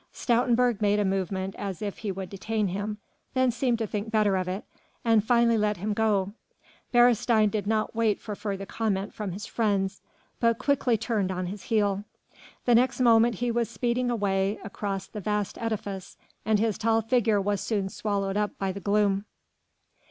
Stoutenburg made a movement as if he would detain him, then seemed to think better of it, and finally let him go. Beresteyn did not wait for further comment from his friends but quickly turned on his heel. The next moment he was speeding away across the vast edifice and his tall figure was soon swallowed up by the gloom.